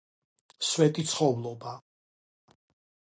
სვეტიცხოველობა